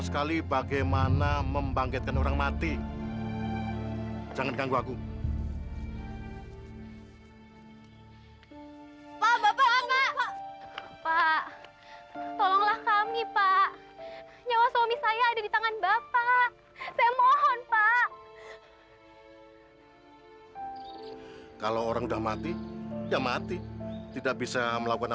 sampai jumpa di video selanjutnya